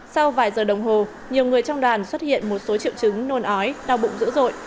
sau vài giờ đồng hồ nhiều người trong đàn xuất hiện một số triệu chứng nôn ói đau bụng dữ dội